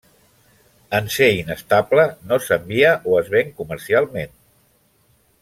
En ser inestable, no s'envia o es ven comercialment.